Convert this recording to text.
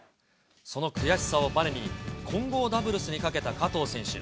その悔しさをばねに混合ダブルスにかけた加藤選手。